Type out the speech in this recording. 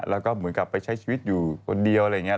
แล้วก็เหมือนกับไปใช้ชีวิตอยู่คนเดียวอะไรอย่างนี้